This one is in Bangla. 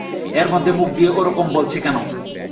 ওর মধ্যে মুখ দিয়ে ওরকম বলচে কেন?